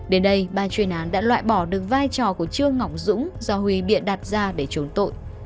đến đây ban truyền án đã loại bỏ được vai trò của trương ngọng dũng do huy bị đặt ra để trốn tội